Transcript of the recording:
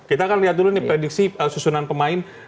kita akan lihat dulu nih prediksi susunan pemain